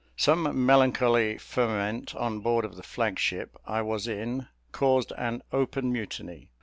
Some melancholy ferment on board of the flag ship I was in caused an open mutiny.